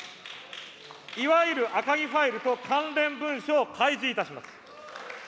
いわゆる赤木ファイルと関連文書を開示いたします。